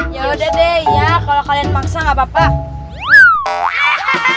ya udah deh ya kalau kalian mangsa gak apa apa